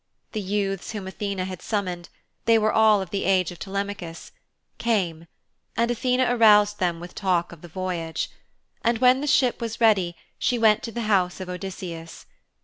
The youths whom Athene had summoned they were all of the age of Telemachus came, and Athene aroused them with talk of the voyage. And when the ship was ready she went to the house of Odysseus.